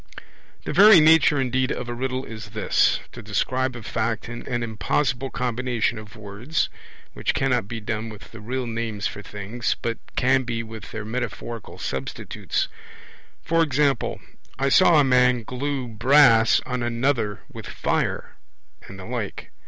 The very nature indeed of a riddle is this, to describe a fact in an impossible combination of words (which cannot be done with the real names for things, but can be with their metaphorical substitutes); e.g. 'I saw a man glue brass on another with fire', and the like.